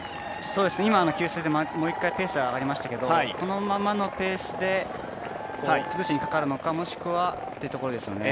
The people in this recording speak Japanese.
今、給水でもう一回ペースが上がりましたけどこのままのペースで崩しにかかるのかもしくはというところですね。